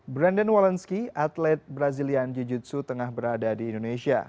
brandon walensky atlet brazilian jiu jitsu tengah berada di indonesia